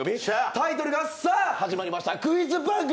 タイトルがさあ始まりました、クイズ番組。